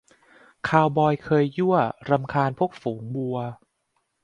คาวบอยเคยยั่วรำคาญพวกฝูงวัว